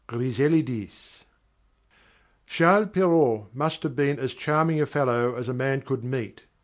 Griselidis _Charles Perrault must have been as charming a fellow as a man could meet.